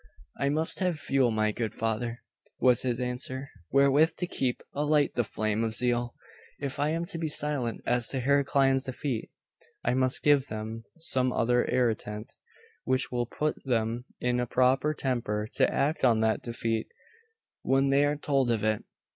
'I must have fuel, my good father,' was his answer, 'wherewith to keep alight the flame of zeal. If I am to be silent as to Heraclian's defeat, I must give them some other irritant, which will put them in a proper temper to act on that defeat, when they are told of it.